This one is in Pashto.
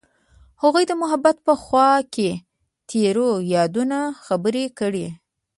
هغوی د محبت په خوا کې تیرو یادونو خبرې کړې.